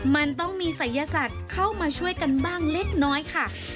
มันต้องมีศัยศาสตร์เข้ามาช่วยกันบ้างเล็กน้อยค่ะ